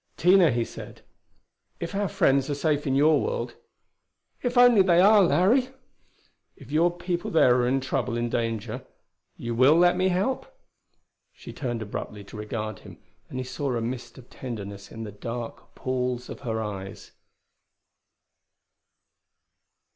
"Tina," he said, "if our friends are safe in your world " "If only they are, Larry!" "And if your people there are in trouble, in danger you will let me help?" She turned abruptly to regard him, and he saw a mist of tenderness in the dark pools of her eyes.